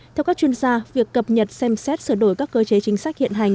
theo các chuyên gia việc cập nhật xem xét sửa đổi các cơ chế chính sách hiện hành